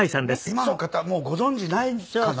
今の方もうご存じないかな？